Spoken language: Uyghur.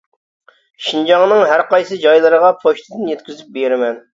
شىنجاڭنىڭ ھەرقايسى جايلىرىغا پوچتىدىن يەتكۈزۈپ بىرىمەن.